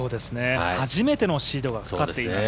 初めてのシードがかかっています。